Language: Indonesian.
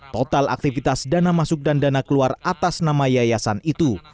total aktivitas dana masuk dan dana keluar atas nama yayasan itu